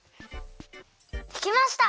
できました！